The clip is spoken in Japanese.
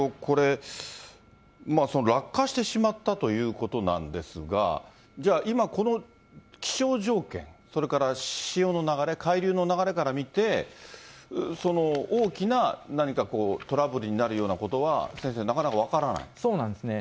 落下してしまったということなんですが、じゃあ今、この気象条件、それから潮の流れ、海流の流れから見て、大きな何かトラブルになるようなことは、先生、そうなんですね。